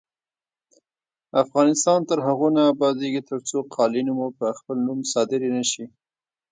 افغانستان تر هغو نه ابادیږي، ترڅو قالینې مو په خپل نوم صادرې نشي.